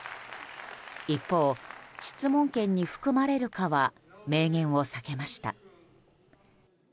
一方、質問権に含まれるかは明言を避けました。